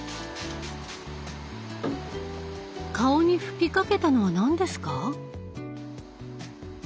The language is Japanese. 顔に吹きかけたのは何ですか？